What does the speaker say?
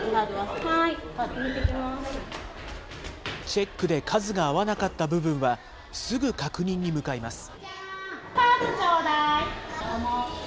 チェックで数が合わなかった部分は、すぐ確認に向かいます。